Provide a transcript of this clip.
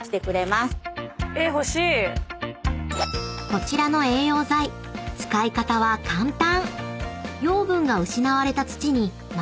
［こちらの栄養剤使い方は簡単］